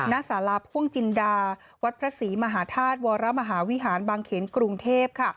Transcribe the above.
ณสาราพ่วงจินดาวัดพระศรีมหาธาตุวรมหาวิหารบางเขนกรุงเทพ